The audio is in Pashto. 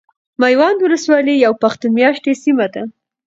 ميوند ولسوالي يو پښتون ميشته سيمه ده .